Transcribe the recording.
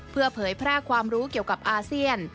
เพื่อเผยแพร่ความรู้เกี่ยวกับอาเซียน